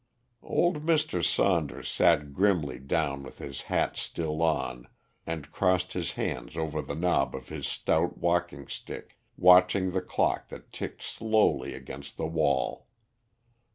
Old Mr. Saunders sat grimly down with his hat still on, and crossed his hands over the knob of his stout walking stick, watching the clock that ticked slowly against the wall.